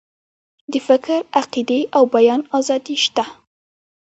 د فکر، عقیدې او بیان آزادي شته.